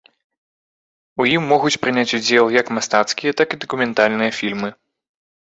У ім могуць прыняць удзел як мастацкія, так і дакументальныя фільмы.